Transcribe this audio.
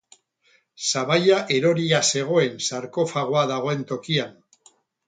Sabaia eroria zegoen sarkofagoa dagoen tokian.